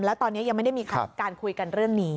แล้วตอนนี้ยังไม่ได้มีการคุยกันเรื่องนี้